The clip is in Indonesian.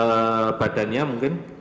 ke badannya mungkin